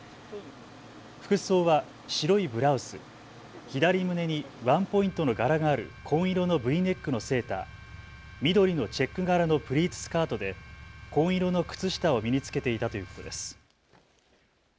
服装は白いブラウス、左胸にワンポイントの柄がある紺色のＶネックのセーター、緑のチェック柄のプリーツスカートで紺色の靴下を身に着けていたということです。